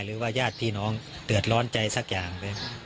หรือว่าญาติพี่น้องเดือดร้อนใจสักอย่างไป